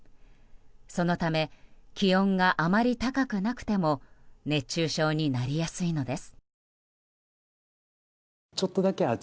そのため気温があまり高くなくても熱中症になりやすいのです。